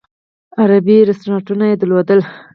عربي رستورانونه یې درلودل.